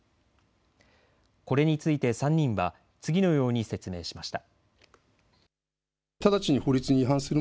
これについて３人は次のように説明しました。